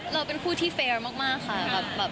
เราเป็นผู้ที่เฟย์มากค่ะ